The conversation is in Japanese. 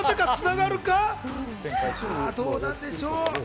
どうなんでしょう？